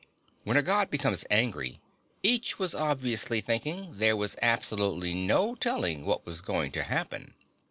When a God became angry, each was obviously thinking, there was absolutely no telling what was going to happen.